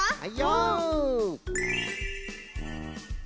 はい！